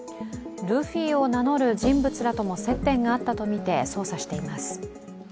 ルフィを名乗る人物らとも接点があったとみて捜査しています。